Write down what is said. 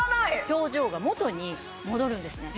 表情が元に戻るんですね。